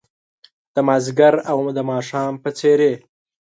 د مازدیګر او د ماښام په څیرې